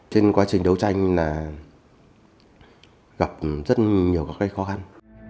trên quá trình đấu tranh là gặp rất nhiều các khó khăn